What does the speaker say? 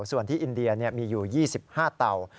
ส่วนที่อินเดียมีอยู่๒๕เตา